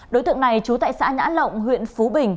đối tượng này trú tại xã nhã lộng huyện phú bình